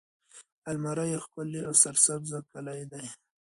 المره يو ښکلی او سرسبزه کلی دی.